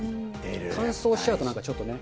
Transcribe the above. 乾燥しちゃうとなんかちょっとね。